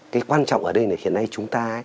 cái quan trọng ở đây là hiện nay chúng ta